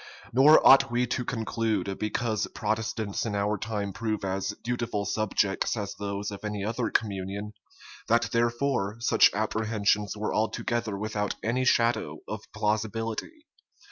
Nor ought we to conclude, because Protestants in our time prove as dutiful subjects as those of any other communion, that therefore such apprehensions were altogether without any shadow of plausibility.